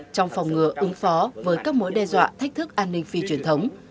trong phòng ngừa ứng phó với các mối đe dọa thách thức an ninh phi truyền thống